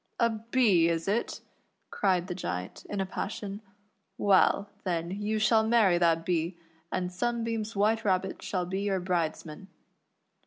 "A Bee is it.''" cried the Giant, in a passion; "well, then, you shall marry that Bee, and Sunbeam's White Rabbit shall be your bridesman."